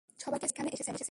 সবাইকে ছেড়ে এখানে এসেছেন।